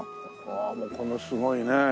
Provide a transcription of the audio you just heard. ああこのすごいね。